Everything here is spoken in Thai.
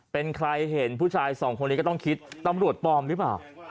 เป็นใครเห็นผู้ชายสองคนนี้ก็ต้องคิดตำรวจปลอมหรือเปล่า